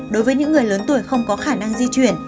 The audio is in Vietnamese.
đối với những người lớn tuổi không có khả năng di chuyển